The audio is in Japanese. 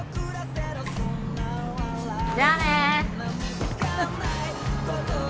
じゃあね。